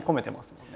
もんね